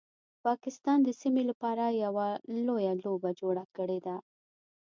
پاکستان د سیمې لپاره یو لویه لوبه جوړه کړیده